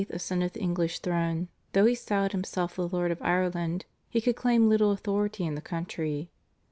ascended the English throne, though he styled himself the Lord of Ireland, he could claim little authority in the country.